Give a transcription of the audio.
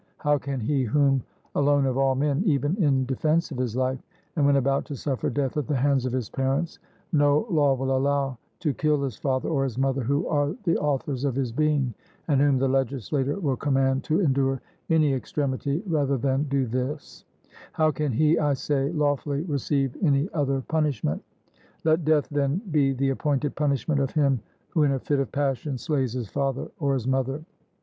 How can he, whom, alone of all men, even in defence of his life, and when about to suffer death at the hands of his parents, no law will allow to kill his father or his mother who are the authors of his being, and whom the legislator will command to endure any extremity rather than do this how can he, I say, lawfully receive any other punishment? Let death then be the appointed punishment of him who in a fit of passion slays his father or his mother.